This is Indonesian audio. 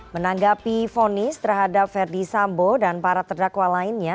menanggapi fonis terhadap verdi sambo dan para terdakwa lainnya